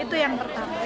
itu yang pertama